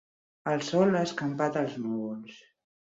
El sol ha escampat els núvols.